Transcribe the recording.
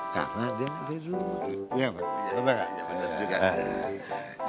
karena dia ada di rumah